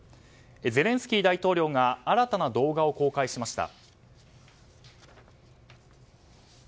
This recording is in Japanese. ゼレンスキー大統領が新たな動画を公開しました。